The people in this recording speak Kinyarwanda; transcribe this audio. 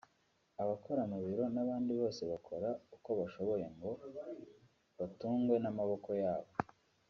abakora mu biro n’abandi bose bakora uko bashoboye ngo batungwe n’amaboko yabo